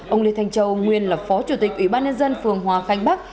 ông lê thanh châu nguyên là phó chủ tịch ủy ban nhân dân phường hòa khánh bắc